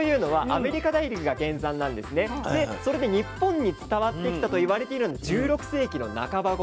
それで日本に伝わってきたと言われているのが１６世紀の半ばごろ。